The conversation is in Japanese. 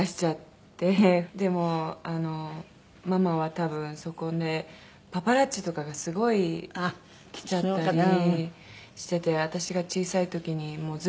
でもママは多分そこでパパラッチとかがすごい来ちゃったりしてて私が小さい時にもうずっと泣いてて。